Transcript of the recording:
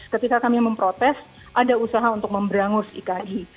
ketika kami memprotes ada usaha untuk memberangus iki